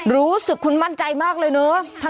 รู้สึกคุณมั่นใจมากเลยเนอะ